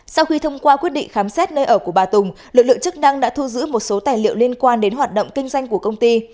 sau khi thông qua quyết định khám xét nơi ở của bà tùng lực lượng chức năng đã thu giữ một số tài liệu liên quan đến hoạt động kinh doanh của công ty